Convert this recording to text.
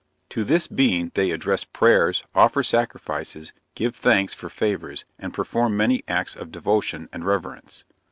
To this being they address prayers, offer sacrifices, give thanks for favors, and perform many acts of devotion and reverence.